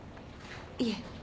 いえ。